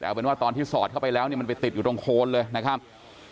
เอาเป็นว่าตอนที่สอดเข้าไปแล้วเนี่ยมันไปติดอยู่ตรงโคนเลยนะครับ